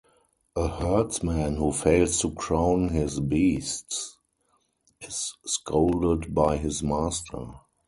A herdsman who fails to crown his beasts is scolded by his master.